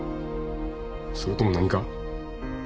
それとも何か？